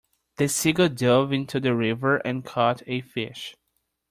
The seagull dove into the river and caught a fish.